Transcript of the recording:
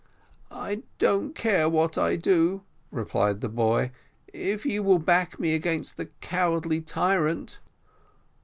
"I don't care what I do," replied the boy, "if you will back me against the cowardly tyrant."